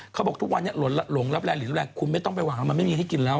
เขาบอกทุกวันนี้หลงรับแรงหรือแรงคุณไม่ต้องไปวางมันไม่มีให้กินแล้ว